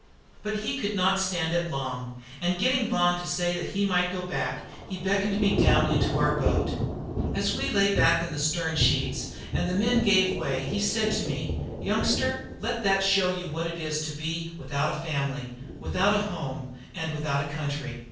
But he could not stand it long; and getting Vaughan to say he might go back, he beckoned me down into our boat. As we lay back in the stern sheets and the men gave way, he said to me: "Youngster, let that show you what it is to be without a family, without a home, and without a country.